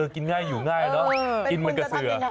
กินง่ายอยู่ง่ายง่ายน้อยก็เสือ